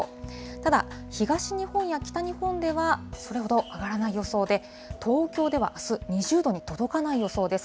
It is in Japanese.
ただ、東日本や北日本ではそれほど上がらない予想で、東京ではあす、２０度に届かない予想です。